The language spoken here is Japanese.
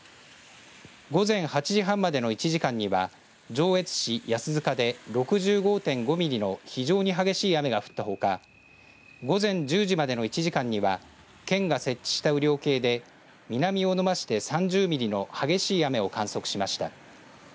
午前８時半までの１時間には上越市安塚で６５．５ミリの非常に激しい雨が降ったほか午前１０時までの１時間には県が設置した雨量計で南魚沼市で３０ミリの激しい雨を観測しました。